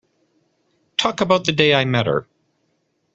Talk about the day I met her.